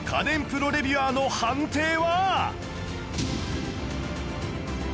プロレビュアーの判定は？